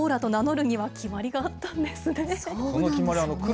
コーラと名乗るには、決まりがあったんですね。